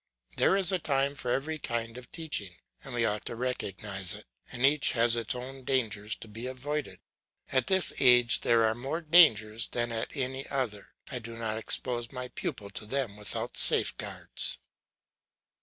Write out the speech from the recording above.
There is a time for every kind of teaching and we ought to recognise it, and each has its own dangers to be avoided. At this age there are more dangers than at any other; but I do not expose my pupil to them without safeguards.